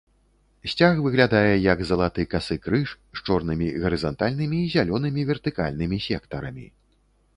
Сцяг выглядае як залаты касы крыж, з чорнымі гарызантальнымі і зялёнымі вертыкальнымі сектарамі.